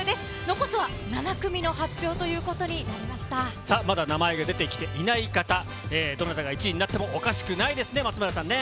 残すは７組の発表といまだ名前が出てきていない方、どなたが１位になってもおかしくないですね、松村さんね。